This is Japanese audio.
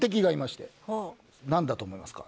何だと思いますか？